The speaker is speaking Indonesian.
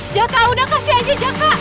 jaka udah kasih aja jangka